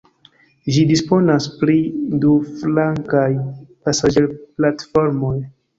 Ĝi disponas pri du flankaj pasaĝerplatformoj.